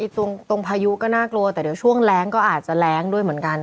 ตรงพายุก็น่ากลัวแต่เดี๋ยวช่วงแรงก็อาจจะแรงด้วยเหมือนกัน